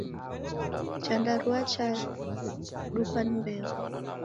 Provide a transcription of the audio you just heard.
Chandarua chadukwa ni mbeo